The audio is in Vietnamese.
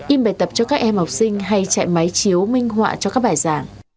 im bài tập cho các em học sinh hay chạy máy chiếu minh họa cho các bài giảng